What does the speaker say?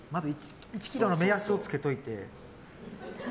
１ｋｇの目安をつけといて。